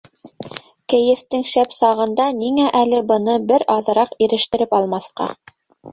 Кәйефтең шәп сағында ниңә әле быны бер аҙыраҡ ирештереп алмаҫҡа?